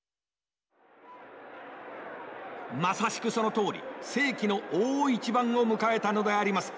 まさしくそのとおり世紀の大一番を迎えたのであります。